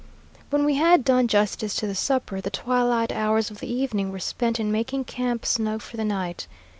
When we had done justice to the supper, the twilight hours of the evening were spent in making camp snug for the night.